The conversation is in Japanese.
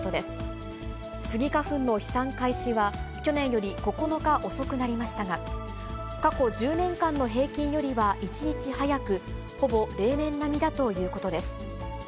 スギ花粉の飛散開始は去年より９日遅くなりましたが、過去１０年間の平均よりは１日早く、ほぼ例年並みだということです。